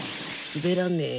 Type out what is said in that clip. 滑らねえ。